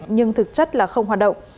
nhưng thực chất là không hoạt động